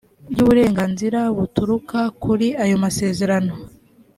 ry uburenganzira buturuka kuri ayo masezerano